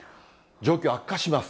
状況、悪化します。